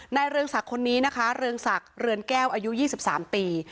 เรืองศักดิ์คนนี้นะคะเรืองศักดิ์เรือนแก้วอายุ๒๓ปี